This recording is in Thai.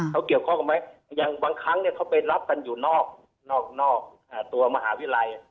เขาเกี่ยวข้องกันไหมอย่างบางครั้งเขาไปรับกันอยู่นอกตัวมหาวิทยาลัย